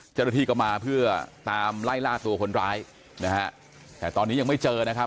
เจ้าหน้าที่ก็มาเพื่อตามไล่ล่าตัวคนร้ายนะฮะแต่ตอนนี้ยังไม่เจอนะครับ